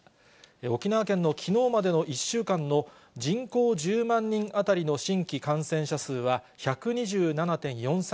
沖縄県のきのうまでの１週間の人口１０万人当たりの新規感染者数は１２７．４３